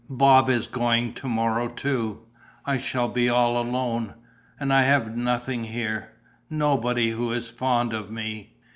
Bob is going to morrow too. I shall be all alone. And I have nothing here, nobody who is fond of me...."